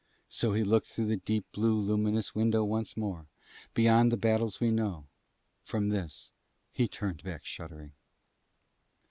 So he looked through the deep blue luminous window once more, beyond the battles we know. From this he turned back shuddering.